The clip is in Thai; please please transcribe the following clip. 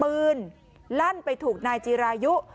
ปืนลั่นไปถูกนายจีรายุ